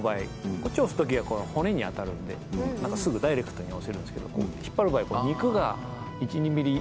こっちを押す時はこの骨に当たるのですぐダイレクトに押せるんですけど引っ張る場合は肉が１２ミリ緩むじゃないですか。